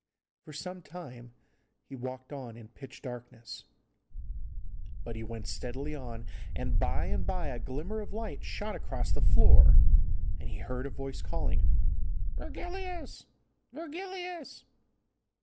For some time he walked on in pitch darkness, but he went steadily on, and by and by a glimmer of light shot across the floor, and he heard a voice calling, 'Virgilius! Virgilius!